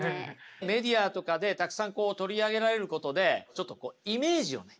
メディアとかでたくさんこう取り上げられることでちょっとイメージをね